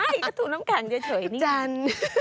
ไปถูน้ำแข็งเฉยจัน